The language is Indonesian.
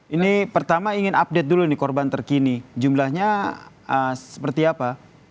ini pertama ingin update dulu nih korban terkini jumlahnya seperti apa